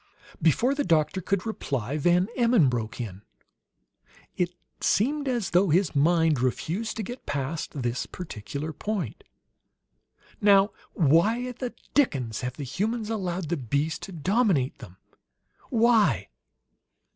Before the doctor could reply, Van Emmon broke in. It seemed as though his mind refused to get past this particular point. "Now, why the dickens have the humans allowed the bees to dominate them? Why?"